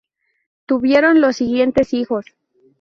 Tuvieron los siguientes hijos.